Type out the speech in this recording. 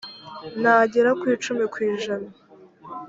ntagera ku icumi ku ijana.